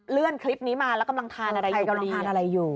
เลื่อนคลิปนี้มาแล้วกำลังทานอะไรอยู่